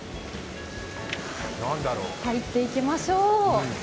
入っていきましょう。